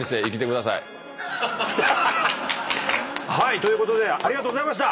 ということでありがとうございました！